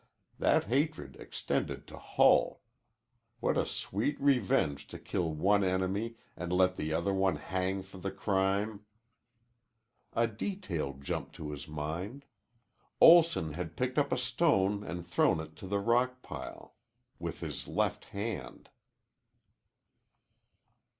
That hatred extended to Hull. What a sweet revenge to kill one enemy and let the other one hang for the crime! A detail jumped to his mind. Olson had picked up a stone and thrown it to the rock pile with his left hand.